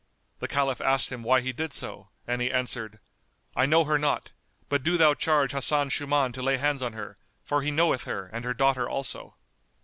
The Caliph asked him why he did so, and he answered, "I know her not; but do thou charge Hasan Shuman to lay hands on her, for he knoweth her and her daughter also."